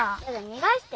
逃がして。